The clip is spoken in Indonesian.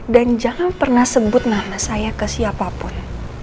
dan jangan pernah sebut nama saya ke siapapun